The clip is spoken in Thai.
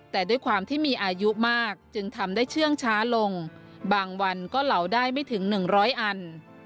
แต่ด้วยความที่มีอายุมากจึงทำได้เชื่องช้าลงบางวันก็เหลาได้ไม่ถึง๑๐๐อัน